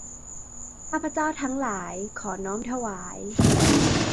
ข้าพเจ้าทั้งหลาย ขอน้อมถวาย